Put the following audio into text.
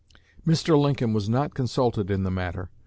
Mr. Lincoln was not consulted in the matter.